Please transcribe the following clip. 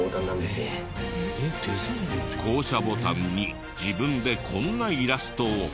降車ボタンに自分でこんなイラストを。